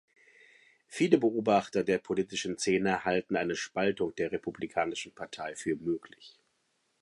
Viele Beobachter der politischen Szene halten eine Spaltung der Republikanischen Partei für möglich.